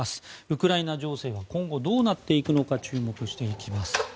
ウクライナ情勢は今後どうなっていくのか注目していきます。